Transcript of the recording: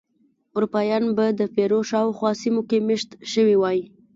اروپایان به د پیرو شاوخوا سیمو کې مېشت شوي وای.